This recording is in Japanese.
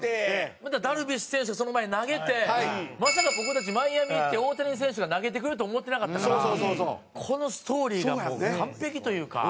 またダルビッシュ選手がその前に投げてまさか僕たちマイアミ行って大谷選手が投げてくれると思ってなかったからこのストーリーがもう完璧というか。